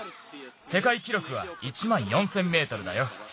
せかいきろくは１まん４，０００メートルだよ。